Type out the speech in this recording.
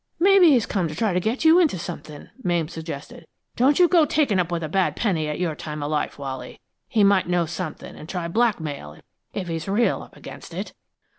"Maybe he's come to try an' get you into somethin'," Mame suggested. "Don't you go takin' up with a bad penny at your time o' life, Wally. He might know somethin' an' try blackmail, if he's real up against it."